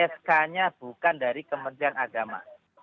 sk nya bukan dari kementerian agama